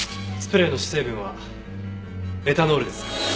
スプレーの主成分はエタノールです。